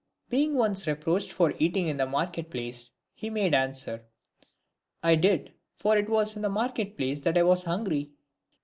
Being once reproached for eating in the market place, he made answer, " 1 did, for it was in the market place that I was hungry."